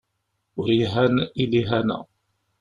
Ur ihan i lihana.